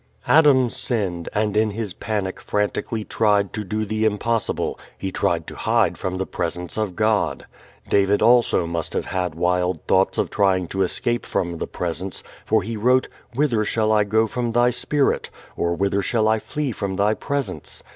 Adam sinned and, in his panic, frantically tried to do the impossible: he tried to hide from the Presence of God. David also must have had wild thoughts of trying to escape from the Presence, for he wrote, "Whither shall I go from thy spirit? or whither shall I flee from thy presence?"